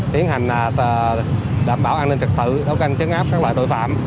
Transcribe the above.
tiến hành đảm bảo an ninh trực tự đấu canh chứng áp các loại tội phạm